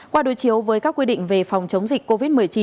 qua đối chiếu với các quy định về phòng chống dịch covid một mươi chín